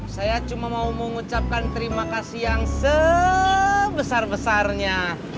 saya cuma mau mengucapkan terima kasih yang sebesar besarnya